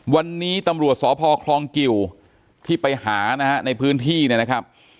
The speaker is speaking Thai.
วันนี้ตำรวจสพคลองกิวที่ไปหานะฮะในพื้นที่เนี่ยนะครับ